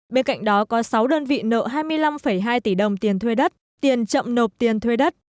bên cạnh đó có sáu đơn vị nợ hai mươi năm hai tỷ đồng tiền thuê đất tiền chậm nộp tiền thuê đất